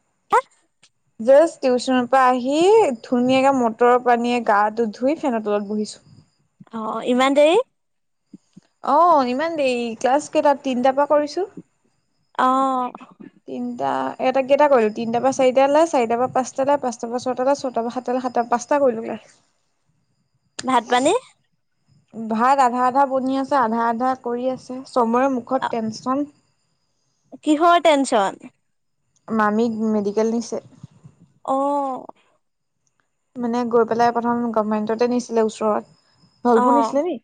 [unintelligible] Just টিউচনৰ পৰা আহি ধুনীয়াকে মটৰৰ পানীয়ে গা টো ধুই ফেনৰ তলত বহিছো। [inaudible] অ ইমান দেৰি? অ ইমান দেৰি ক্লাছ কেইটাত তিনটাৰ পৰা কৰিছো। অঁ। তিনিটা এটা কেইটা কৰিলো, তিনিটা পা চাৰিটালে, চাৰিটাৰ পৰা পাঁচটালে, পাঁচটা পৰা ছয়টালে, ছয়টা পৰা সাতটালে সাতটা পাঁচটা কৰিলোঁ ক্লাছ। ভাত পানী? ভাত আধা আধা বনি আছে, আধা আধা কৰি আছে, চবৰে মুখত টেনশ্যন কিহৰ টেনচন? মামীক মেডিকেল নিছে। অ' মানে গৈ পেলাই প্ৰথম গভমেন্টতে নিছিলে ওচৰত অ ঢলপুৰ নিছিলে নি?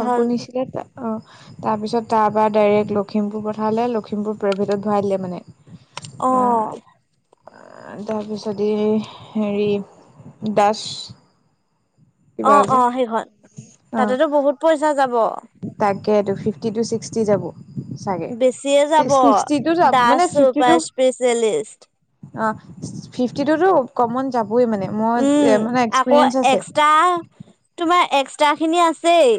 ঢল নিছিলে তাত অ', তাৰপিছত তাৰপৰা ডাইৰেক্ট লখিমপুৰ পঠালে, লখিমপুৰ প্ৰাইভেটত ভৰাই দিলে মানে। অ তাৰপিছত এই, হেৰি দাস অ কিবা যে অ সেইখন, অ তাতেতো বহুত পইচা যাব। তাকেটো ফিফটি টু ছিক্সটি যাব। চাগে, বেছিয়ে যাব ছিক্সটি টু যাব দাস মানে ফিফটি টু চুপাৰ স্পেচিয়েলিষ্ট অ ফিফটি টু টো কমন যাব উম আকৌ আছে এক্সট্ৰা তোমাৰ এক্সট্ৰা খিনি আছেই।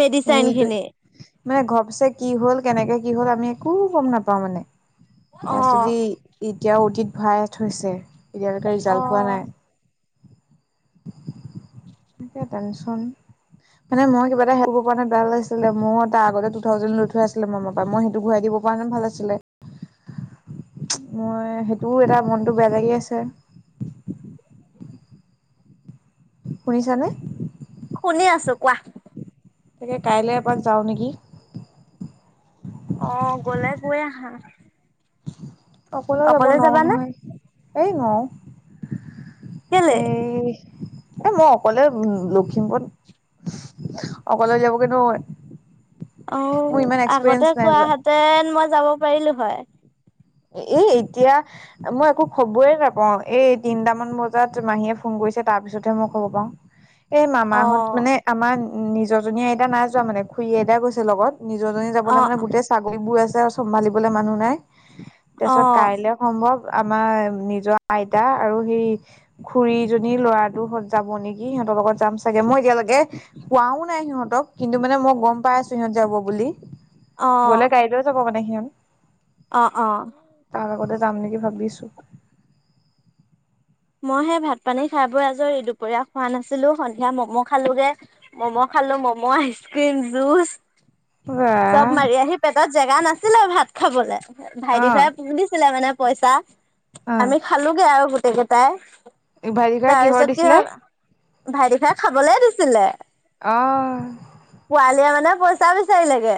মেডিচাইন খিনি এইটোৱে মানে ঘৰপছে কি হ'ল কেনেকে কি হ'ল আমি একো গম নাপাওঁ মানে, অ তাৰপিছত ই ই এতিয়াও অ'টিত ভৰাইয়ে থৈছে, এতিয়ালৈকে অ ৰিজাল্ট পোৱা নাই। তাকে টেনচন মানে মই কিব এটা হেল্প কৰিব পৰা হ'লে বেয়া নালাগিছিলে, মই তাৰ আগতে টু থাউজেণ্ড লৈ থোৱা আছিলে মামাৰ পৰা, মই সেইটো ঘূৰাই দিব পৰাহেঁতেন ভাল আছিলে। মই সেইটোও এটা মনটো বেয়া লাগি আছে। শুনিছানে? শুনি আছো কোৱা। তাকে কাইলে এপাক যাওঁ নেকি। অ', গ'লে গৈ আহা। অকলেও যাব অকলে নোৱাৰোঁ যাবানে নহয়, এই নোৱাৰোঁ। কেলে এই, এই মই অকলে উম, লখিমপুৰত অকলে উলিয়াবগৈ নোৱাৰোঁ মই। অ', আগতে কোৱাহেঁতেন মই যাব পাৰিলো হয়। এ-এই এতিয়া মই একো খবৰেই নাপাওঁ, এই তিনটামান বজাত মাহীয়ে ফোন কৰি কৰিছে, তাৰ পিছতহে মই খবৰ পাওঁ। এই মামাহঁত অ', মানে আমাৰ নিজৰজনী আইতা নাই যোৱা মানে, খুুৰী আইতা গৈছে লগত। নিজৰজনী যাবলৈ অ', মানে গোটেই ছাগলীবোৰ আছে আৰু চম্ভালিবলৈ মানুহ নাই। তাৰপিছত অ', কাইলৈ সম্ভৱ আমাৰ নিজৰ আইতা আৰু সেই খুৰীজনী ল'ৰাটো যাব নেকি সিহঁতৰ লগত যাম চাগে, মই এতিয়ালৈকে কোৱাও নাই সিহঁতক, কিন্তু মানে মই গম পাই আছো সিহঁত যাব বুলি। গ'লে অ', গাড়ীলৈ যাব মানে সিহঁত। অ' অ'। তাৰ লগতে যাম নেকি ভাবিছো। মই সেই ভাত পানী খাই বৈ আজৰি, দুপৰীয়া খোৱা নাছিলো, সন্ধিয়া ম'ম' খালোগে, ম'ম' খালো ম'ম, আইচক্ৰীম, জ্যুচ চব বাহ মাৰি আহি পেটত জেগা নাছিলে আৰু ভাত খাবলে। ভাইটি অহ খুৰাই দিছিলে মানে পইচা, আমি অহ খালোগে আৰু গোটেই কেইটাই। ভাজিকা কিহৰ তাৰপিছত কি দিছিলে? হ'ল, ভাইটিখুৰাই খাবলেই দিছিলে। অহ পোৱালিয়ে মানে পইচা বিচাৰিলেগে।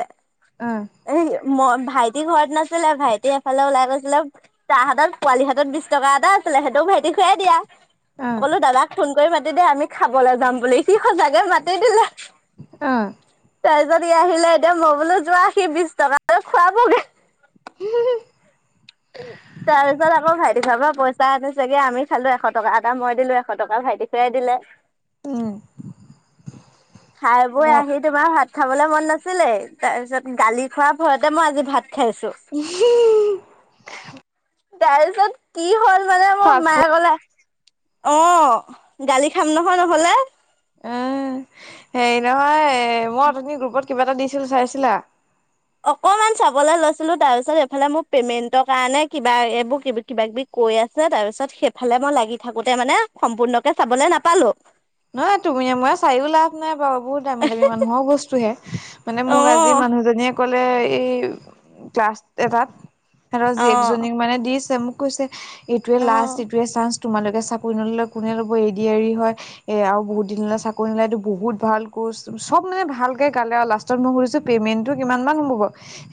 অ'। এই মই ভাইটি ঘৰত নাছিলে, ভাইটি এফালে ওলাই গৈছিলে, তাৰ হাতত পোৱালি হাতত বিছ টকা এটা ছিলে, সেইটোও ভাইটি খুৰাই দিয়া, অহ মই ক'লো দাদাক ফোন তই মাতিবি আমি খাবলৈ যাম বুলি, সি সঁচাকৈ মাতি দিলে। অঁ। তাৰপাছত সি আহিলে এতিয়া মই বোলো যোৱা সি বিশ টকা দি খোৱাবগে। তাৰ পিছত আকৌ ভাইটি ঘৰৰ পৰা পইচা আনিছে। হে আমি খালো এশ টকা এটা, মই দিলো এশ টকা ভাইটি ঘূৰাই দিলে। উম খাই- বৈ আহি তোমাৰ ভাত খাবলৈ মন নাছিলে। তাৰ পিছত গালি খোৱাৰ ভয়তে মই আজি ভাত খাইছো। তাৰ-পিছত কি হ'ল মানে মোৰ ফাষ্ট ফুড মায়ে কলে, অ' গালি খাম নহয় নহলে। এ, হেৰি নহয় মই অথনি গ্ৰুপত কিবা এটা দিছিলো চাইছিলা? অকমান চাবলৈ লৈছিলো তাৰ পিছত এইফালে মোৰ পেমেন্টৰ কাৰণে কিবা এইবোৰ কিবা কিবি কৈ আছে, তাৰ পিছত সেইফালে মই লাগি থাকোঁতে মানে সম্পূৰ্ণকে চাবলৈ নাপালোঁ। নহয় তুমি মইয়ে চাইও লাভ নাই বাৰু, বহুত দামী দামী মানুহৰ বস্তুহে, মানে অ মোক আজি মা মানুহজনীয়ে ক'ল সেই ই ক্লাছ এটাত, সিহঁতৰ অ জীয়েকজনীক মানে দিছে, মোক কৈছে এইটোৱে অ অ লাষ্ট এইটোৱে চান্স, তোমালোকে চাকৰি নল'লে, কোনে ল'ব এ ডি আৰ ই হয় এ আৰু বহুত দিনলে চাকৰি নোলায় এইটো বহুত ভাল কৰ্চ, চব মানে ভালকে গালে আৰু লাষ্টত মই সুধিছোঁ মেইনটো কিমান মান হ'ব,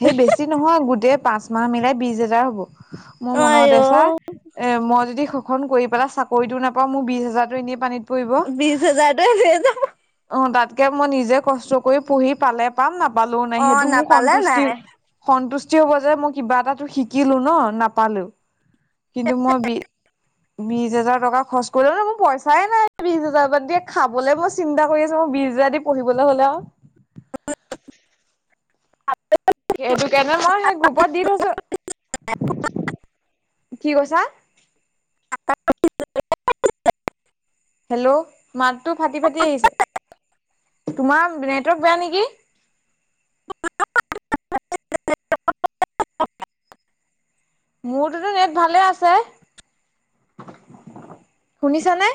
সেই বেছি নহয় গোটেই পাঁচ মাহ মিলাই বিছ হেজাৰ হ'ব। মোৰ আই মনতে অ চা মই যদি সু খন কৰি পেলাই চাকৰিটো নাপাওঁ মোৰ বিশ হাজাৰতো এনেই পানীত - পৰিব, বিশ হাজাৰটোৱে অ' তাত কে মই নিজে কষ্ট কৰি পঢ়ি পালে পাম, নাপালেও নাই অ সেইটো মোৰ নাপালে সন্তুষ্টি নাই সন্তুষ্ট যি হব যে, মই কিবা এটা শিকিলো ন নাপালেওঁ কিন্তু মই বি বিশ হাজাৰ টকা খৰচ কৰিলৈ মোৰ পইচাই নাই। বিশ হাজাৰ বাদ দিয়ে খাবলৈ মই চিন্তা কৰি আছো, মই বিশ হাজাৰ দি পঢ়িবলৈ হলে আও। [inaudible] সেইটো কাৰণে মই সেই গ্ৰুপত দি থৈছো। কি কৈছা? হে'ল্ল' মাতটো ফাটি ফাটি আহিছে। তোমাৰ নেটৱৰ্ক বেয়া নেকি? মোৰ তোত নেট ভালে আছে। শুনিছা নে?